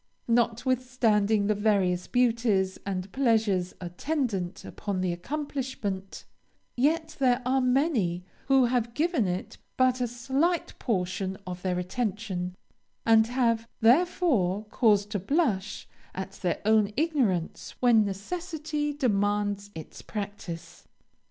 Notwithstanding the various beauties and pleasures attendant upon the accomplishment, yet there are many who have given it but a slight portion of their attention, and have, therefore, cause to blush at their own ignorance when necessity demands its practice.